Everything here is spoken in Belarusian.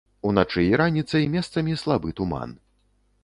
Уначы і раніцай месцамі слабы туман.